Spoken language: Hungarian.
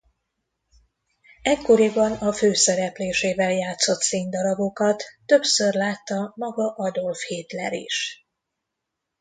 Ekkoriban a főszereplésével játszott színdarabokat többször látta maga Adolf Hitler is.